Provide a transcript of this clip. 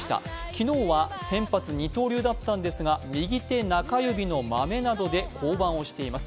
昨日は先発、二刀流だったんですが右手中指のまめなどで降板をしています。